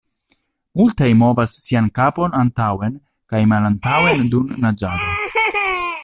Multaj movas sian kapon antaŭen kaj malantaŭen dum naĝado.